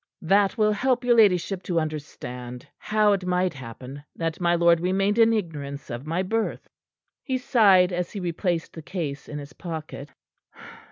"That will help your ladyship to understand how it might happen that my lord remained in ignorance of my birth." He sighed as he replaced the case in his pocket.